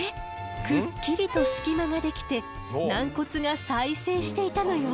くっきりと隙間ができて軟骨が再生していたのよ。